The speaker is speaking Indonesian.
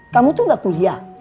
kamu tuh gak kuliah